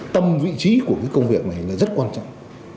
tâm vị trí của công việc này rất quan trọng